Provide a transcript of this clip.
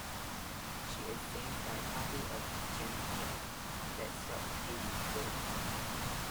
She is saved by a copy of "Jane Eyre" that stops Hades' bullet.